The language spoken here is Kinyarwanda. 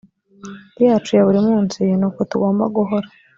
yacu ya buri munsi ni uko tugomba guhora